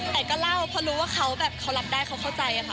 แต่ก็เล่าเพราะรู้ว่าเขาแบบเขารับได้เขาเข้าใจอะค่ะ